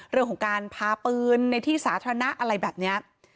เรื่องของการพาปืนในที่สาธารณะอะไรแบบนี้